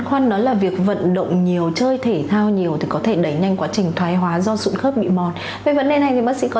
quán điểm này thì mình cũng phải làm rõ